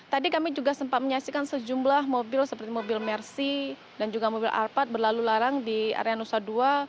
tadi kami juga sempat menyaksikan sejumlah mobil seperti mobil mercy dan juga mobil arpard berlalu larang di area nusa dua